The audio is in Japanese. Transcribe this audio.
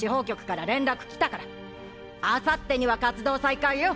あさってには活動再開よ。